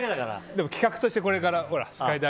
でも、企画としてこれから。